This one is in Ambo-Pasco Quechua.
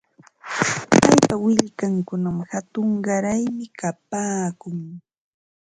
Paypa willkankunam hatun qaraymi kapaakun.